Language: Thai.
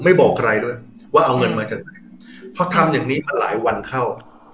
บอกใครด้วยว่าเอาเงินมาจากไหนเพราะทำอย่างนี้หลายวันเข้า